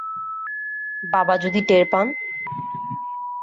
বাবা যদি টের পান?